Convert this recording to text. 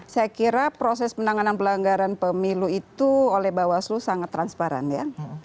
saya kira proses penanganan pelanggaran pemilu itu oleh bawaslu sangat transparan ya